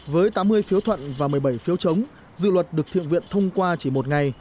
với tám mươi phiếu thuận và một mươi bảy phiếu chống dự luật được thượng viện thông qua chỉ một ngày